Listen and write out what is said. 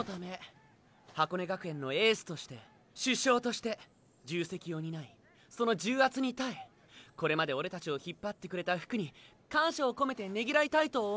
箱根学園のエースとして主将として重責を担いその重圧に耐えこれまでオレたちを引っ張ってくれたフクに感謝を込めてねぎらいたいと思うのだが。